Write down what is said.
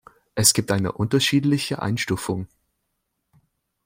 Es gibt eine unterschiedliche Einstufung.